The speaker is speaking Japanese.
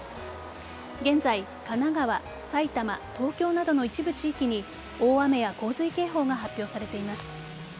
現在神奈川、埼玉、東京などの一部地域に大雨や洪水警報が発表されています。